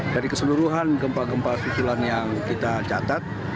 dari keseluruhan gempa gempa susulan yang kita catat